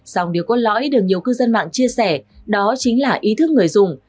song điều có lõi được nhiều cư dân mạng chia sẻ đó chính là ý thức người dùng